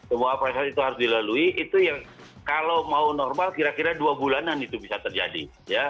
semua proses itu harus dilalui itu yang kalau mau normal kira kira dua bulanan itu bisa terjadi